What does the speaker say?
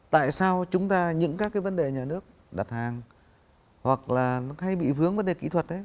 tại sao chúng ta những các cái vấn đề nhà nước đặt hàng hoặc là nó hay bị vướng vấn đề kỹ thuật ấy